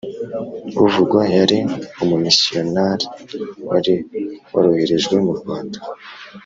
Uvugwa yari umumisiyonari wari waroherejwe mu Rwanda